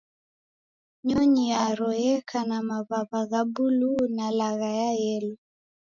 Nyonyi yaro yeka na maw'aw'a gha buluu na lagha ya yelo